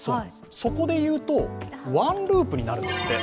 そこでいうと、ワンループになるんですって。